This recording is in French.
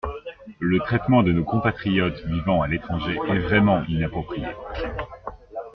Le traitement de nos compatriotes vivant à l’étranger est vraiment inapproprié.